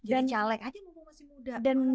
jadi caleg aja mumpung masih muda